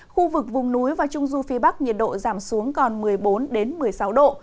khu vực vùng núi và trung du phía bắc nhiệt độ giảm xuống còn một mươi bốn một mươi sáu độ